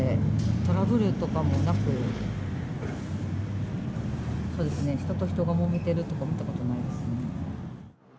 トラブルとかもなく、人と人がもめてるとかは見たことないですね。